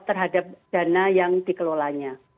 terhadap dana yang dikelolanya